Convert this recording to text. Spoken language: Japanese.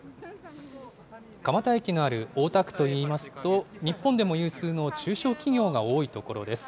蒲田駅のある大田区といいますと、日本でも有数の中小企業が多い所です。